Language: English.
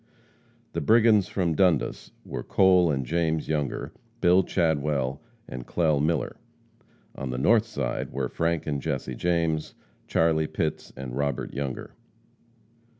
The brigands from Dundas were Cole and James Younger, Bill Chadwell and Clell Miller. On the north side were Frank and Jesse James, Charlie Pitts and Robert Younger.